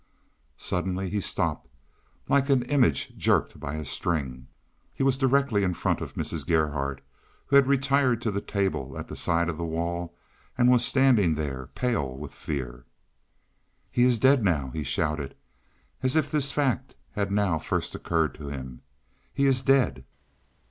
Suddenly he stopped like an image jerked by a string. He was directly in front of Mrs. Gerhardt, who had retired to the table at the side of the wall, and was standing there pale with fear. "He is dead now!" he shouted, as if this fact had now first occurred to him. "He is dead!"